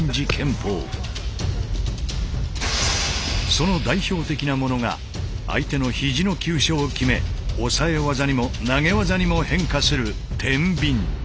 その代表的なものが相手の肘の急所を極め抑え技にも投げ技にも変化する天秤。